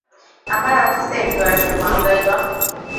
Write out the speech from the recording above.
আমার অফিসে একটু আসুন, মহোদয়গণ।